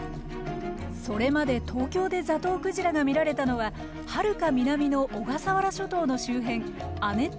それまで東京でザトウクジラが見られたのははるか南の小笠原諸島の周辺亜熱帯の海だけでした。